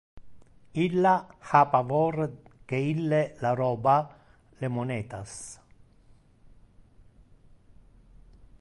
Illa ha pavor que ille la roba le monetas.